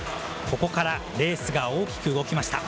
ここからレースが大きく動きました。